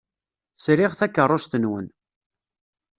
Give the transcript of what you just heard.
Sriɣ takeṛṛust-nwen.